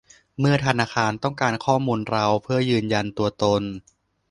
เมื่อธนาคารต้องการข้อมูลเราเพื่อยืนยันตัวตน